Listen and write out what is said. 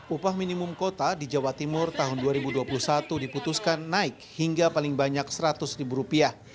upah minimum kota di jawa timur tahun dua ribu dua puluh satu diputuskan naik hingga paling banyak seratus ribu rupiah